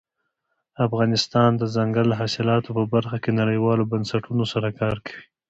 افغانستان د دځنګل حاصلات په برخه کې نړیوالو بنسټونو سره کار کوي.